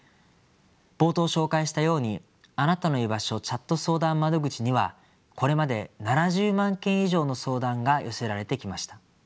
冒頭紹介したようにあなたのいばしょチャット相談窓口にはこれまで７０万件以上の相談が寄せられてきました。